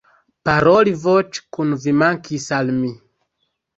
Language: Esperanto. Paroli voĉe kun vi mankis al mi